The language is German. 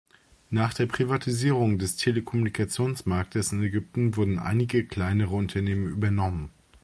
Nach der Privatisierung des Telekommunikationsmarktes in Ägypten wurden einige kleinere Unternehmen übernommen.